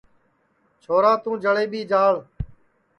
چھورا توں جݪئیٻی جاݪ